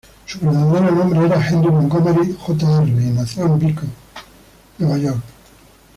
Su verdadero nombre era Henry Montgomery Jr., y nació en Beacon, New York.